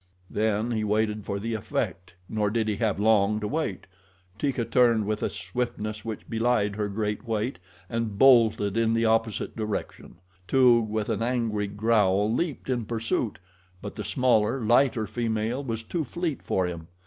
Then he waited for the effect, nor did he have long to wait. Teeka turned with a swiftness which belied her great weight and bolted in the opposite direction. Toog, with an angry growl, leaped in pursuit; but the smaller, lighter female was too fleet for him.